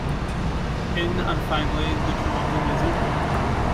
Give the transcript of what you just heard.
In and finally the Toronto Blizzard.